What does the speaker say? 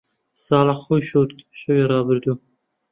ساڵح خۆی شۆرد، شەوی ڕابردوو.